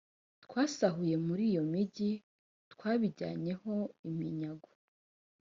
twasahuye muri iyo migi twabijyanye ho iminyago